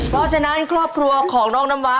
เพราะฉะนั้นครอบครัวของน้องน้ำว้า